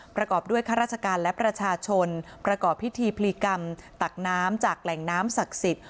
ประกอบด้วยข้าราชการและประชาชนประกอบพิธีพลีกรรมตักน้ำจากแหล่งน้ำศักดิ์สิทธิ์